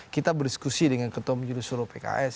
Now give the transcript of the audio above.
kita berdiskusi dengan ketua menjurus suruh pks